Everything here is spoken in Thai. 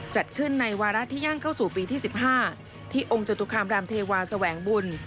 จัดขึ้นในวาระที่ย่างเข้าสู่ปีที่๑๕ที่องค์จตุคามรามเทวาแสวงบุญ